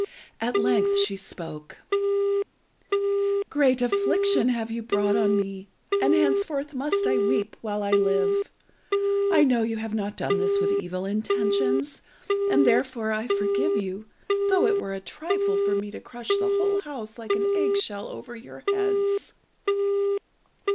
At length she spoke "Great affliction have you brought on me, and henceforth must I weep while I live. I know you have not done this with evil intentions, and therefore I forgive you, though it were a trifle for me to crush the whole house like an egg shell over your heads."